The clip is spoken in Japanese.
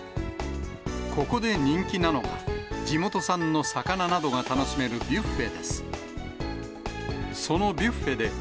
ここで人気なのが、地元産の魚などが楽しめるビュッフェです。